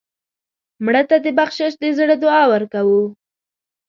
مړه ته د بخشش د زړه دعا ورکوو